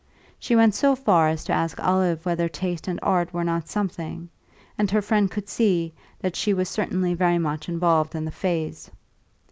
She went so far as to ask Olive whether taste and art were not something, and her friend could see that she was certainly very much involved in the phase.